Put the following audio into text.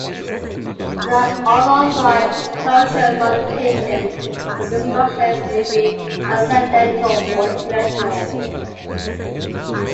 The unauthorized disclosure, modification, or destruction may be accidental or intentional.